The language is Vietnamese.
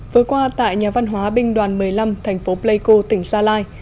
với qua tại nhà văn hóa binh đoàn một mươi năm thành phố pleiko tỉnh gia lai